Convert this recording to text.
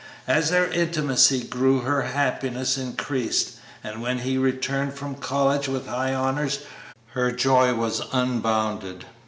As their intimacy grew her happiness increased, and when he returned from college with high honors her joy was unbounded.